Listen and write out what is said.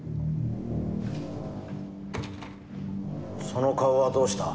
その顔はどうした？